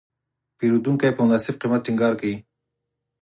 پیرودونکی په مناسب قیمت ټینګار کوي.